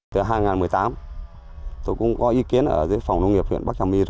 từ hai nghìn một mươi tám tôi cũng có ý kiến ở dưới phòng nông nghiệp huyện